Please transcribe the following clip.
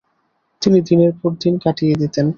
তিনি দিনের পর দিন কাটিয়ে দিতেন।